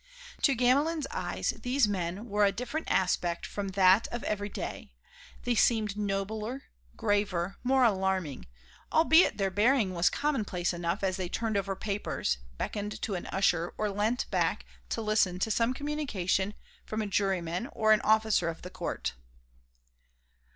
To Gamelin's eyes these men wore a different aspect from that of every day; they seemed nobler, graver, more alarming, albeit their bearing was commonplace enough as they turned over papers, beckoned to an usher or leant back to listen to some communication from a juryman or an officer of the court.